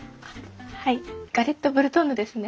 はいガレットブルトンヌですね。